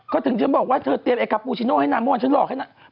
ก็ถึงฉันบอกว่าเธอเตรียมไอคาปูชิโนให้นางเมื่อวานฉันหลอกให้นาง